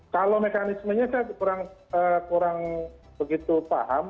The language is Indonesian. kalau mekanismenya saya kurang begitu paham